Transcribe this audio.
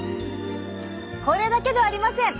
これだけではありません！